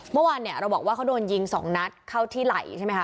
เมื่อวานเนี่ยเราบอกว่าเขาโดนยิง๒นัดเข้าที่ไหล่ใช่ไหมคะ